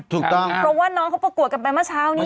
ถูกต้องเพราะว่าน้องเขาประกวดกันไปเมื่อเช้านี้